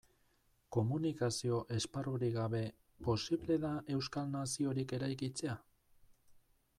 Komunikazio esparrurik gabe, posible da euskal naziorik eraikitzea?